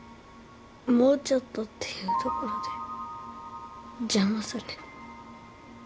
もうちょっとっていうところで邪魔される。